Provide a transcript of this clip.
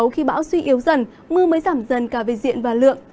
khi bão suy yếu dần mưa mới giảm dần cả về diện và lượng